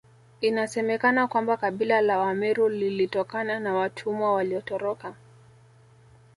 Inasemekana kwamba kabila la Wameru lilitokana na watumwa waliotoroka